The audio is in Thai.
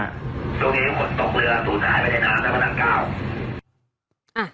ตรงนี้หมดตกเบลือสุดท้ายไม่ได้นานแล้วก็ดังกล้าว